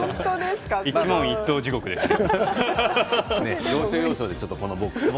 一問一答地獄ですね。